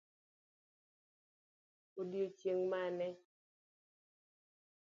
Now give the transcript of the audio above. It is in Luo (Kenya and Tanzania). Odiochieng' mane?